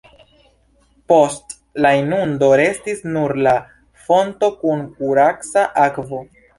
Post la inundo restis nur la fonto kun kuraca akvo.